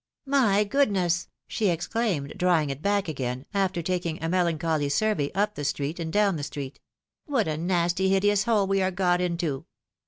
" My 'goodness !" she exclaimed, drawing it back again, after taking a melancholy survey up the street and down the street ;" what a nasty hideous hole we are got into